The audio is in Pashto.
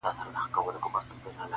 • خو په جوغ پوري تړلی وو، بوده وو -